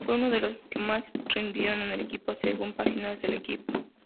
Fue uno de los que más rindieron en el equipo según páginas del equipo.